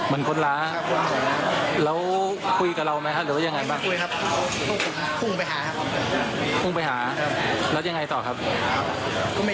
แต่ภาพคือคล้ายกับคน